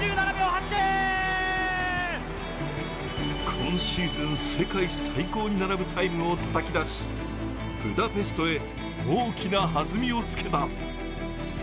今シーズン、世界最高に並ぶタイムをたたき出しブダペストへ大きなはずみをつけた。